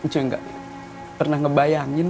cuy gak pernah ngebayangin